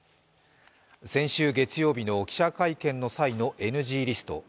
先週月曜日の記者会見の際のＮＧリスト。